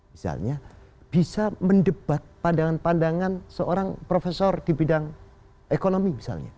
misalnya bisa mendebat pandangan pandangan seorang profesor di bidang ekonomi misalnya